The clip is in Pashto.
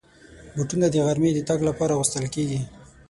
بوټونه د غرمې د تګ لپاره اغوستل کېږي.